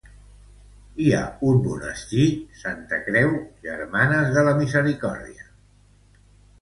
Hi ha un monestir Santa Creu Germanes de la Misericòrdia.